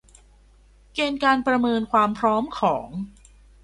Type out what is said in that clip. เกณฑ์การประเมินความพร้อมของ